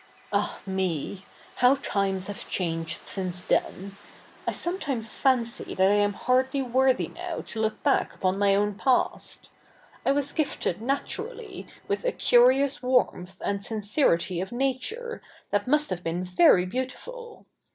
Ah, me I how ti??ies have chatiged sifice then I I sometimes fancy that I am hardly worthy now to look back upon my own past. I was gifted naturally with a curious warfnth and sincerity of nature, that must have been very beautiful.